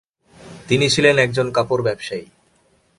তিনি ছিলেন একজন কাপড় ব্যবসায়ী।